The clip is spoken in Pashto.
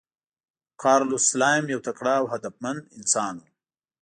کارلوس سلایم یو تکړه او هدفمند انسان و.